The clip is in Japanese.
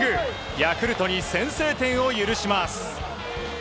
ヤクルトに先制点を許します。